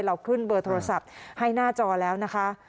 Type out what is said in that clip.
เราขึ้นเบอร์โทรศัพท์ให้หน้าจอแล้วนะคะ